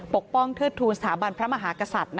ปกป้องเทิดทูลสถาบันพระมหากษัตริย์